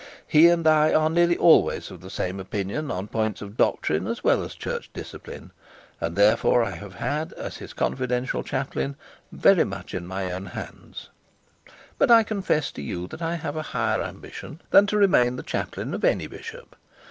He and I are nearly always of the same opinion on points of doctrine as well as church discipline, and therefore I have had, as his confidential chaplain, very much in my own hands; but I confess to you that I have a higher ambition than to remain the chaplain of any bishop.